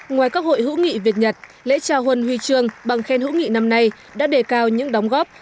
ngoài các hội hữu nghị việt nhật lễ trao huân huy trương bằng khen hữu nghị năm nay đã đề cao những đóng góp